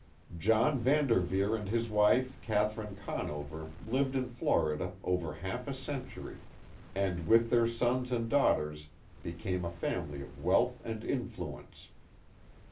John Van Derveer and his wife Katherine Conover lived in Florida over half a century, and, with their sons and daugh ters, became a family of wealth and influence.